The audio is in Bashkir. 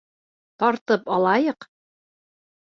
Тартып алайыҡ!